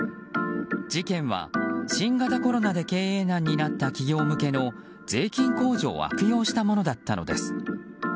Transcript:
事件は新型コロナで経営難になった企業向けの税金控除を悪用したものだったのです。